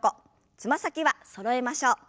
つま先はそろえましょう。